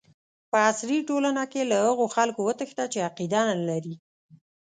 په عصري ټولنه کې له هغو خلکو وتښته چې عقیده نه لري.